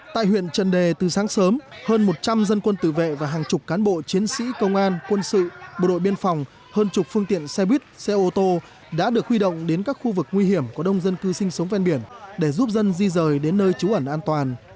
tại huyện trần đề từ sáng sớm hơn một trăm linh dân quân tự vệ và hàng chục cán bộ chiến sĩ công an quân sự bộ đội biên phòng hơn chục phương tiện xe buýt xe ô tô đã được huy động đến các khu vực nguy hiểm có đông dân cư sinh sống ven biển để giúp dân di rời đến nơi trú ẩn an toàn